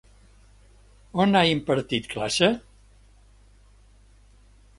On ha impartit classe?